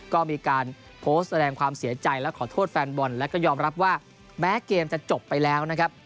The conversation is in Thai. ก็มีการโพสต์แสดงความเสียใจและขอโทษแฟนบอลแล้วก็ยอมรับว่าแม้เกมจะจบไปแล้วนะครับ